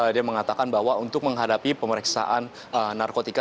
dia mengatakan bahwa untuk menghadapi pemeriksaan narkotika